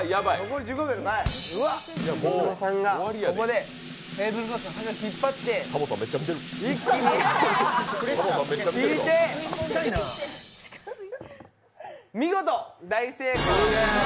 木村さんがここでテーブルクロスの布を引っ張って見事、大成功！